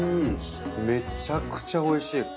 めちゃくちゃおいしい。